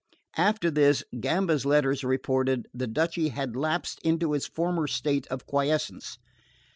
After this, Gamba's letters reported, the duchy had lapsed into its former state of quiescence.